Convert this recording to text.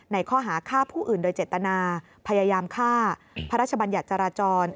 ข้อหาฆ่าผู้อื่นโดยเจตนาพยายามฆ่าพระราชบัญญัติจราจร